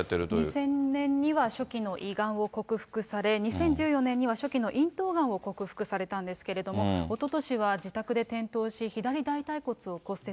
２０００年には初期の胃がんを克服され、２０１４年には初期の咽頭がんを克服されたんですけれども、おととしは自宅で転倒し、左大腿骨を骨折。